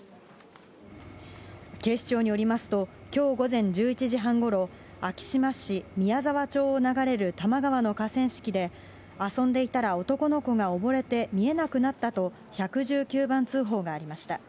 警視庁によりますと、きょう午前１１時半ごろ、昭島市宮沢町を流れる多摩川の河川敷で、遊んでいたら男の子がおぼれて見えなくなったと１１９番通報がありました。